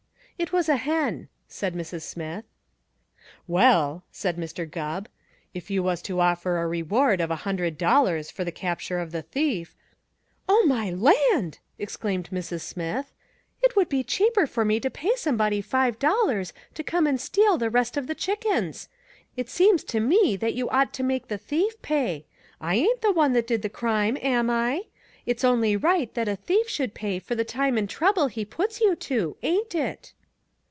"It was a hen," said Mrs. Smith. "Well," said Mr. Gubb, "if you was to offer a reward of a hundred dollars for the capture of the thief " "Oh, my land!" exclaimed Mrs. Smith. "It would be cheaper for me to pay somebody five dollars to come and steal the rest of the chickens. It seems to me, that you ought to make the thief pay. I ain't the one that did the crime, am I? It's only right that a thief should pay for the time and trouble he puts you to, ain't it?"